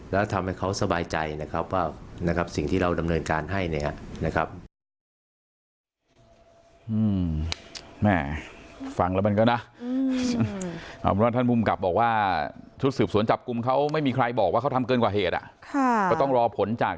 และทำให้สบายใจที่เราจะดำเนินการให้